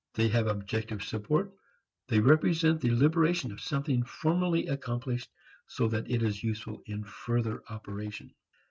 They have objective support; they represent the liberation of something formerly accomplished so that it is useful in further operation.